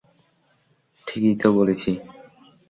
ঠিকই তো বলেছি।